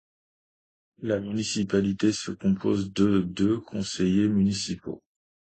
La municipalité se compose de de conseillers municipaux.